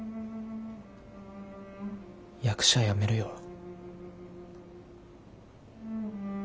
役者やめるよ。